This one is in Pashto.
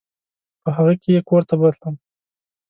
په هغه کې یې کور ته بوتلم.